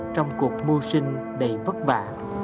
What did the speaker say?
trong cuộc mưu sinh đầy vất vả